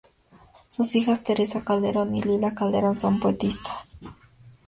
Sus hijas Teresa Calderón y Lila Calderón son poetisas.